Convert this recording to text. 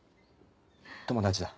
友達だ。